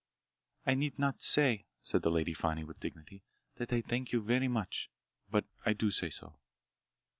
"I need not say," said the Lady Fani with dignity, "that I thank you very much. But I do say so."